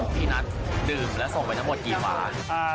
พี่นัทดื่มและส่งไปทั้งหมดกี่หวาน